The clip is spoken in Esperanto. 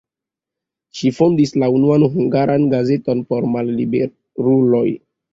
Ŝi fondis la unuan hungaran gazeton por malliberuloj.